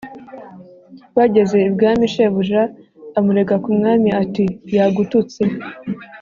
bageze ibwami shebuja amurega ku mwami ati yagututse